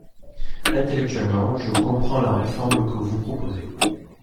Intellectuellement, je comprends la réforme que vous proposez.